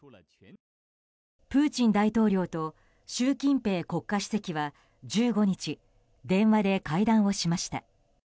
プーチン大統領と習近平国家主席は１５日電話で会談をしました。